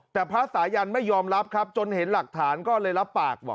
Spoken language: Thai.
แต่พระสายันไม่ยอมรับครับจนเห็นหลักฐานก็เลยรับปากบอก